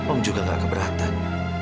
om juga gak keberatan